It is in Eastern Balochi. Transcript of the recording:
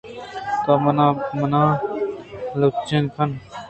تو منا لچین کن